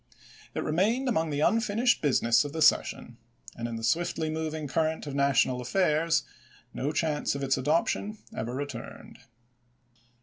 It remained among the unfinished business of the ses sion, and in the swiftly moving current of national affairs no chance of its adoption ever returned.